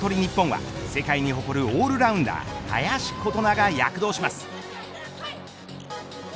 ＮＩＰＰＯＮは世界に誇るオールラウンダー林琴奈が躍動します。